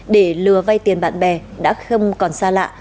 để lừa vay tiền bạn bè đã không còn xa lạ